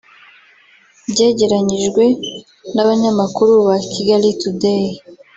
Byegeranyijwe n’abanyamakuru ba Kigali Today